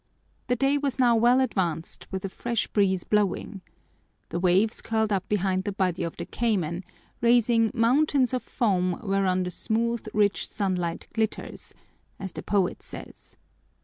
The day was now well advanced, with a fresh breeze blowing. The waves curled up behind the body of the cayman, raising "mountains of foam whereon the smooth, rich sunlight glitters," as the poet says.